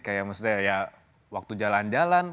kayak maksudnya ya waktu jalan jalan